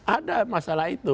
ada masalah itu